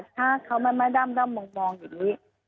ถ้าเขามาดำมองอย่างนี้